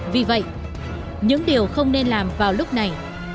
vì vậy những điều không nên làm vào lúc này